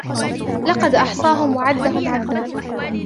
لقد أحصاهم وعدهم عدا